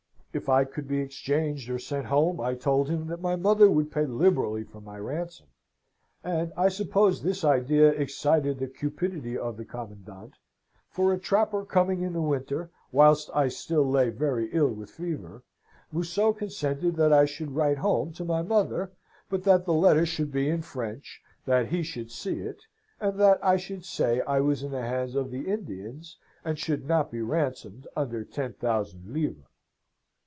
If I could be exchanged, or sent home, I told him that my mother would pay liberally for my ransom; and I suppose this idea excited the cupidity of the commandant, for a trapper coming in the winter, whilst I still lay very ill with fever, Museau consented that I should write home to my mother, but that the letter should be in French, that he should see it, and that I should say I was in the hands of the Indians, and should not be ransomed under ten thousand livres.